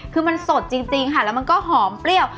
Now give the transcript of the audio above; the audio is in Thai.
คือมันสดจริงค่ะแล้วมันก็หอมเปรี้ยว